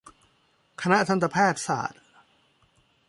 คณะทันตแพทย์ศาสตร์